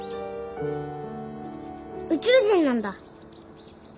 宇宙人なんだ。